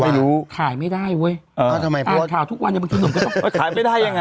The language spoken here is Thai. ไม่รู้คลายไม่ได้เว้ยอ่านข่าวทุกวันงั้นมันคือขายไม่ได้ยังไง